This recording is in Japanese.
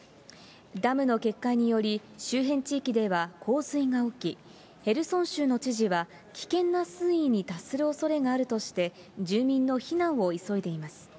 ダムの決壊により、周辺地域では洪水が起き、ヘルソン州の知事は、危険な水位に達するおそれがあるとして、住民の避難を急いでいます。